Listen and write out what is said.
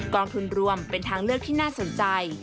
กองทุนรวมเป็นทางเลือกที่น่าสนใจ